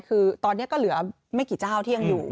คือตอนนี้ก็เหลือไม่กี่เจ้าที่ยังอยู่